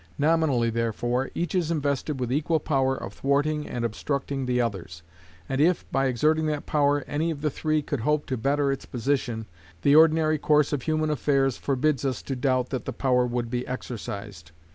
Nominally, therefore, each is invested with equal power of thwarting and obstructing the others; and if, by exerting that power, any of the three could hope to better its position, the ordinary course of human affairs forbids us to doubt that the power would be exercised.